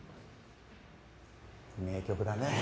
名曲だね。